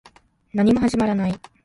何も始まらない